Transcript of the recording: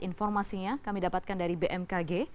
informasinya kami dapatkan dari bmkg